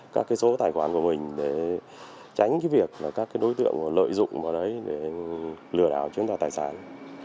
các cái số tài khoản của mình để tránh cái việc là các cái đối tượng lợi dụng vào đấy để lừa đảo chiếm đoạt tài sản